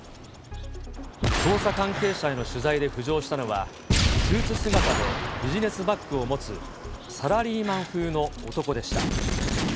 捜査関係者への取材で浮上したのは、スーツ姿でビジネスバッグを持つ、サラリーマン風の男でした。